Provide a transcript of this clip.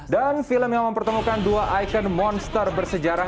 dan film yang mempertemukan dua ikon monster bersejarah